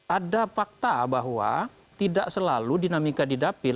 ada fakta bahwa tidak selalu dinamika didapil